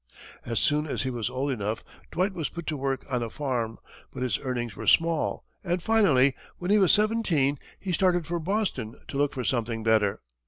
As soon as he was old enough, Dwight was put to work on a farm, but his earnings were small, and finally, when he was seventeen, he started for Boston to look for something better.